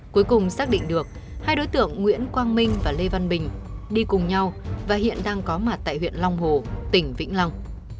cuối cùng xác định được hai đối tượng nguyễn quang minh và lê văn bình đi cùng nhau và hiện đang có mặt tại huyện long hồ tỉnh vĩnh long